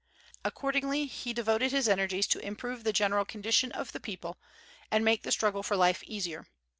Accordingly, he devoted his energies to improve the general condition of the people, and make the struggle for life easier.